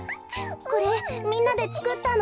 これみんなでつくったの。